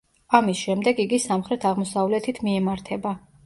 ამის შემდეგ იგი სამხრეთ-აღმოსავლეთით მიემართება.